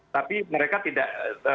tapi mereka tidak